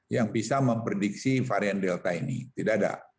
yang bisa memprediksi varian delta ini tidak ada